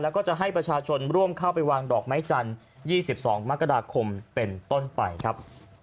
แล้วก็จะให้ประชาชนร่วมเข้าไปวางดอกไม้จันทร์๒๒มกราคมเป็นต้นไปครับ